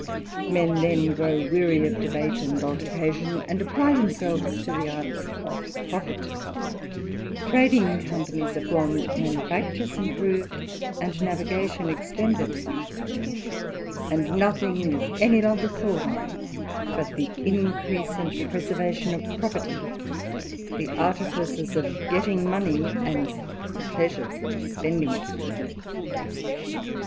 Men then grow weary of debate and altercation, id apply themselves to the arts of profit \ trading com anies are formed, manufactures improved, and navigation Ktended ; and nothing is any longer thought on, but the icrease and preservation of property, the artificers of getting ioney, and the pleasures of spending it.